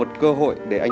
anh có sao không